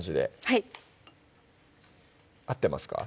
はい合ってますか？